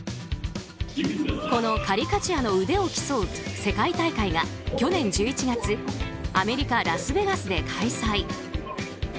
このカリカチュアの腕を競う世界大会が去年１１月アメリカ・ラスベガスで開催。